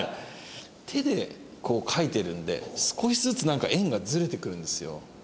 手でこう描いてるので少しずつなんか円がズレてくるんですよ。